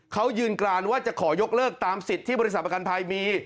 เขายืนกรานว่าจะขอยกเลิกตามสิทธิ์ที่บริษัทประกันภัยมี